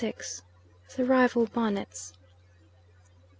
THE RIVAL BONNETS.